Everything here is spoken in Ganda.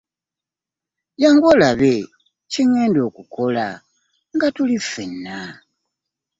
Jangu olabe kye ngenda okukola nga tuli ff enna.